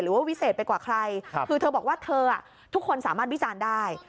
วิเศษไปกว่าใครคือเธอบอกว่าเธอทุกคนสามารถวิจารณ์ได้